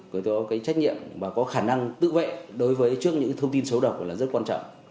có trách nhiệm và có khả năng tự vệ đối với những thông tin xấu động là rất quan trọng